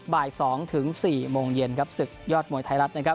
บ่าย๒๔โมงเย็นศึกยอดมวยไทยรัฐ